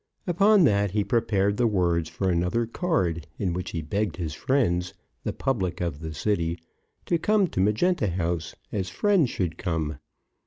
Upon that, he prepared the words for another card, in which he begged his friends, the public of the city, to come to Magenta House, as friends should come.